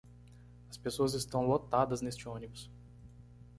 As pessoas estão lotadas neste ônibus.